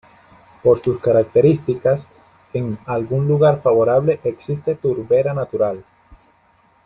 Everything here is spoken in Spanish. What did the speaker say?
Por sus características, en algún lugar favorable existe turbera natural.